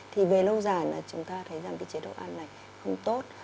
thì về lâu dài chúng ta thấy rằng chế độ ăn này không tốt